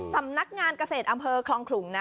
สำนักงานเกษตรอำเภอคลองขลุงนะ